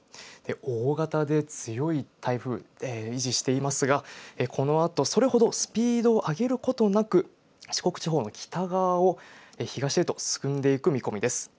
大型で強い台風、維持していますが、このあとそれほどスピードを上げることなく、四国地方の北側を東へと進んでいく見込みです。